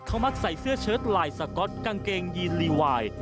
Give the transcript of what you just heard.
เขามักใส่เสื้อเชิดลายสก๊อตกางเกงยีนลีวาย